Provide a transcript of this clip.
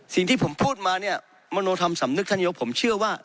สิ่งที่ผมพูดมาเนี่ยมโนธรรมสำนึกท่านนายกผมเชื่อว่า